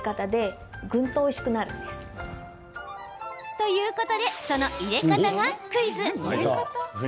ということでその入れ方がクイズ。